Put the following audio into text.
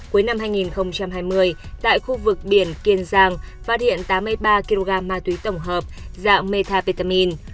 cuối năm hai nghìn hai mươi tại khu vực biển kiên giang phát hiện tám mươi ba kg ma túy tổng hợp dạng metapetamin